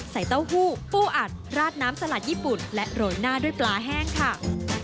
เต้าหู้ปูอัดราดน้ำสลัดญี่ปุ่นและโรยหน้าด้วยปลาแห้งค่ะ